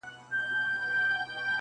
چي دا وږي د وطن په نس ماړه وي,